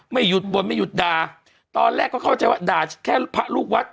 ไม่หยุดบ่นไม่หยุดด่าตอนแรกก็เข้าใจว่าด่าแค่พระลูกวัด